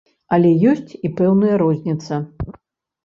А ёсць і пэўныя розніцы.